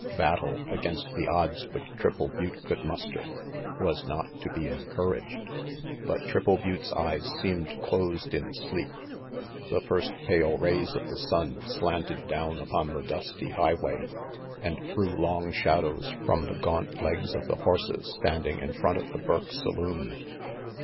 Battle, against the odds which Triple Butte could muster, was not to be encouraged. But Triple Butte's eyes seemed closed in sleep. The first pale rays of the sun slanted down upon the dusty highway and threw long shadows from the gaunt legs of the horses standing in front of the Burke saloon.